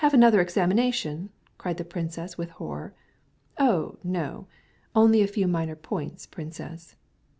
another examination!" cried the mother, with horror. "Oh, no, only a few details, princess."